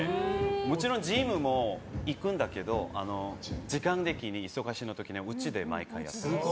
もちろんジムも行くんだけど時間的に忙しい時にはうちで毎回やってます。